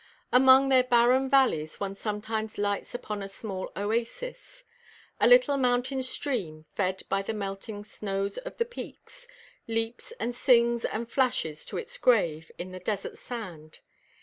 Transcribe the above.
Among their barren valleys one sometimes lights upon a small oasis. A little mountain stream, fed by the melting snows of the peaks, leaps and sings and flashes to its grave in the desert sand.